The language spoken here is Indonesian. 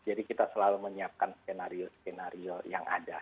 jadi kita selalu menyiapkan skenario skenario yang ada